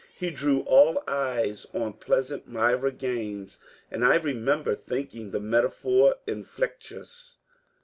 He drew all eyes on pleasant Myra Gbtines, and I remember thinking the metaphor infelicitous.